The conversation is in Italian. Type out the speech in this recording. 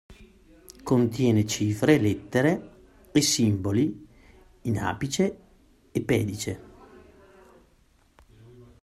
Contiene cifre, lettere e simboli in apice e pedice.